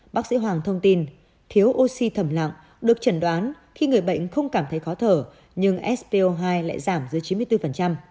bác sĩ hoàng thông tin thiếu oxy thẩm lặng được chẩn đoán khi người bệnh không cảm thấy khó thở nhưng spo hai lại giảm dưới chín mươi bốn